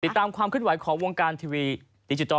ความขึ้นไหวของวงการทีวีดิจิทัล